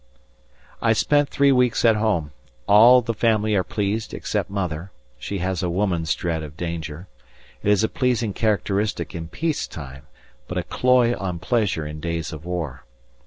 _ I spent three weeks at home, all the family are pleased except mother; she has a woman's dread of danger; it is a pleasing characteristic in peace time, but a cloy on pleasure in days of war.